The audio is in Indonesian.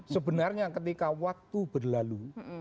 sebenarnya ketika waktu berlalu